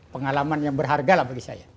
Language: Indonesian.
pengalaman yang berharga lah bagi saya